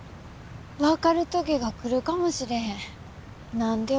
分かる時が来るかもしれへん。